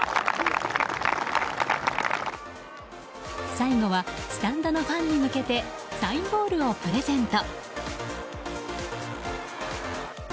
最後はスタンドのファンに向けてサインボールをプレゼント。